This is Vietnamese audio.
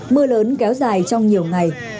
mưa lớn kéo dài trong nhiều ngày